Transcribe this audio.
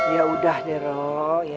ya udah deh rod